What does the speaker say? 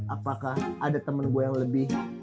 apakah ada temen gue yang lebih